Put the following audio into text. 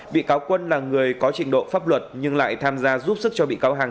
bị cáo quân là người có trình độ pháp luật nhưng lại tham gia giúp sức cho bị cáo hằng